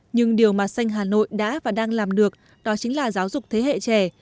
nhưng điều mà xanh hà nội đã và đang làm được đó chính là giáo dục thế hệ trẻ